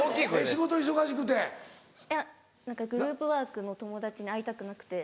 仕事忙しくて？いやグループワークの友達に会いたくなくて。